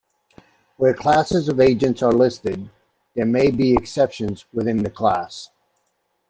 Where classes of agents are listed, there may be exceptions within the class.